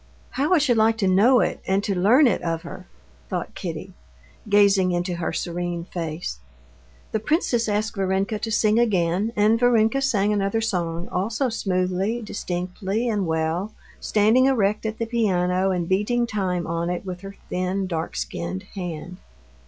How I should like to know it and to learn it of her!" thought Kitty, gazing into her serene face. The princess asked Varenka to sing again, and Varenka sang another song, also smoothly, distinctly, and well, standing erect at the piano and beating time on it with her thin, dark skinned hand.